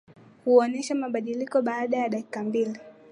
huonesha mabadiliko baada ya dakika mbili